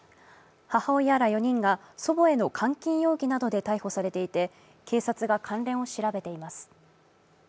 母親ら４人が祖母への監禁容疑などで逮捕されていて警察が関連を調べています。